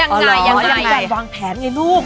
ยังไงยังต้องเป็นการวางแผนไงลูก